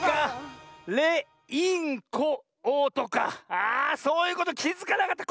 あそういうこときづかなかった。